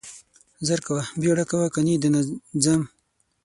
زر کاوه, بيړه کاوه کني ده نه ځم.